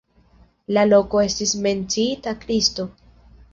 La loko estis menciita Kristo.